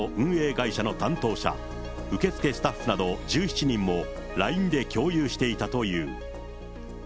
会社の担当者、受付スタッフなど１７人も、ＬＩＮＥで共有していたという。